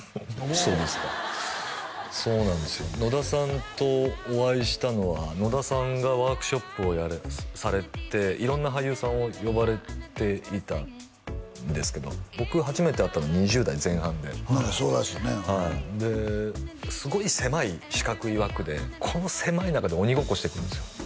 そうですかそうなんですよ野田さんとお会いしたのは野田さんがワークショップをされて色んな俳優さんを呼ばれていたんですけど僕初めて会ったの２０代前半でそうらしいねはいですごい狭い四角い枠でこの狭い中で鬼ごっこしていくんですよ